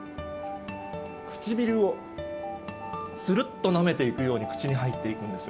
唇をするっとなめていくように口に入っていくんですよ。